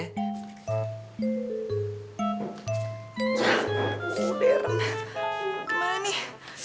aduh deren gimana nih